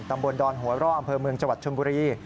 ตำบลดอนหัวร่ออำเภอเมืองจังหวัดชนบุรี